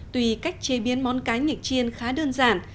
tùy cách chế biến món cá nhịch chiên khá đơn giản